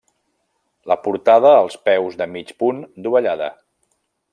La portada als peus de mig punt dovellada.